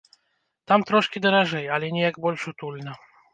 Там трошкі даражэй, але неяк больш утульна.